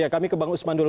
ya kami ke bang usman dulu